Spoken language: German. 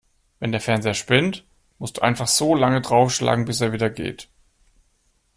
Wenn der Fernseher spinnt, musst du einfach so lange draufschlagen, bis er wieder geht.